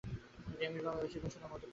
ডেমির বাবা বেশির ভাগ সময় মদ্যপ থাকেন।